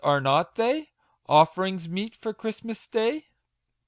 are not they Offerings meet for Christmas Day